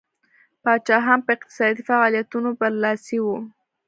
پاچاهان په اقتصادي فعالیتونو برلاسي وو.